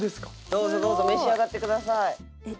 どうぞどうぞ召し上がってください。